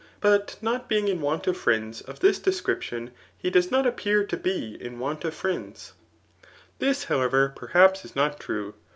But not being in want of friends of this de* scription, he does not appear to be in want of friends* This, however, perhaps is not true.